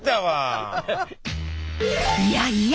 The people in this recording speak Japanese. いやいや！